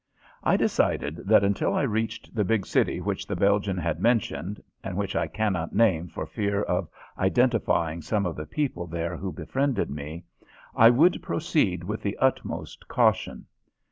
I decided that until I reached the big city which the Belgian had mentioned and which I cannot name for fear of identifying some of the people there who befriended me I would proceed with the utmost precaution.